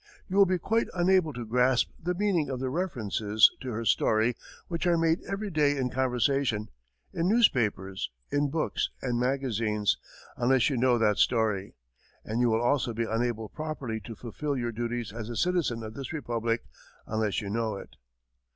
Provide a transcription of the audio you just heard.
You will be quite unable to grasp the meaning of the references to her story which are made every day in conversation, in newspapers, in books and magazines, unless you know that story; and you will also be unable properly to fulfil your duties as a citizen of this Republic unless you know it.